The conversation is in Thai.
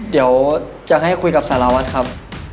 เดี๋ยวจะให้คุยกับสารวัตรครับ